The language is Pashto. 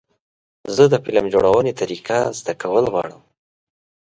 زه د فلم جوړونې طریقه زده کول غواړم.